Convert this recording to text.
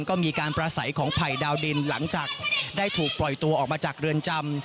ก็มีการประสัยของภัยดาวดินหลังจากได้ถูกปล่อยตัวออกมาจากเรือนจำ